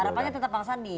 harapannya tetap pak sandi